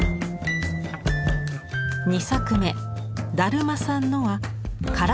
２作目「だるまさんの」は体に着目。